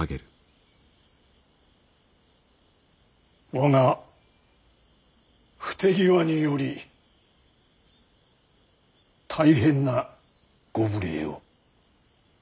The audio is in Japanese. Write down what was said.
我が不手際により大変なご無礼を。